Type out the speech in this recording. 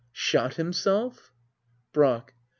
Shot himself! Brack.